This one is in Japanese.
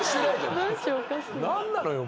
何なのよ？